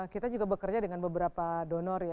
kita juga bekerja dengan beberapa donor ya